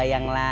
apa dia mas